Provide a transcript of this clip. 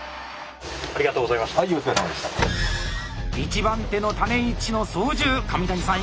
１番手の種市の操縦上谷さん